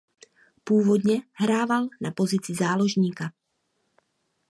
Původně hrával na pozici záložníka.